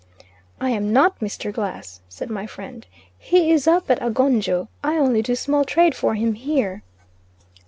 "I am not Mr. Glass," said my friend; "he is up at Agonjo, I only do small trade for him here."